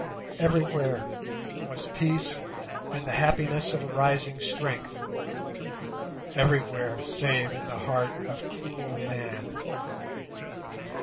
Everywhere was peace and the happiness of arising strength, everywhere save in the heart of cruel man!